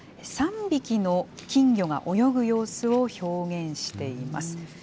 ３匹の金魚が泳ぐ様子を表現しています。